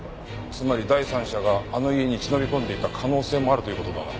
つまり第三者があの家に忍び込んでいた可能性もあるという事だな。